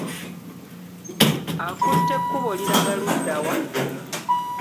Akutte kkubo liraga ludda wa?